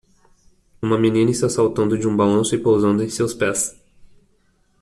Uma menina está saltando de um balanço e pousando em seus pés